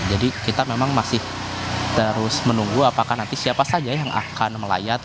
jadi kita memang masih terus menunggu apakah nanti siapa saja yang akan melayat